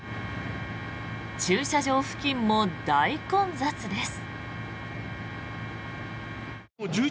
駐車場付近も大混雑です。